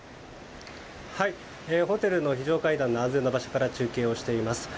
ホテルの非常階段の安全な場所から中継しています。